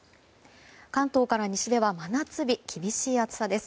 関東から西では真夏日厳しい暑さです。